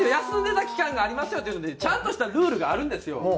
休んでた期間がありますよっていうのでちゃんとしたルールがあるんですよ。